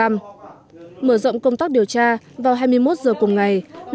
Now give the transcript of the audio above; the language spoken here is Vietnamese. mở rộng công tác điều tra vào hai mươi một giờ cùng ngày